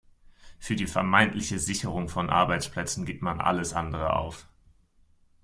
Für die vermeintliche Sicherung von Arbeitsplätzen gibt man alles andere auf.